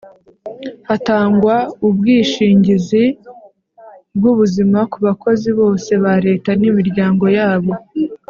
hatangwa ubwishingizi bw’ubuzima ku bakozi bose ba Leta n’ imiryango yabo